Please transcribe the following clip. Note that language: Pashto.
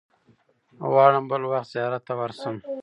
غواړم بل وخت زیارت ته ورشم.